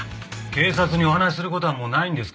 警察にお話しする事はもうないんですけど。